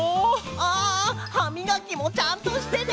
あはみがきもちゃんとしてね。